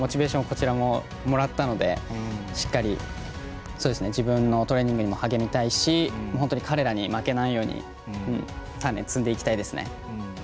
こちらも、もらったのでしっかり自分のトレーニングにも励みたいですし本当に彼らに負けないように鍛練、積んでいきたいですね。